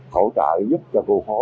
hỗ trợ giúp cho khu phố